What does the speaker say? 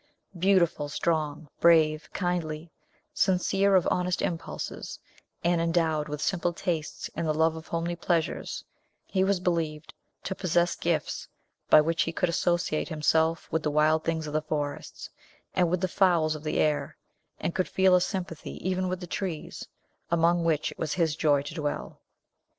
Beautiful, strong, brave, kindly, sincere, of honest impulses, and endowed with simple tastes and the love of homely pleasures, he was believed to possess gifts by which he could associate himself with the wild things of the forests, and with the fowls of the air, and could feel a sympathy even with the trees; among which it was his joy to dwell.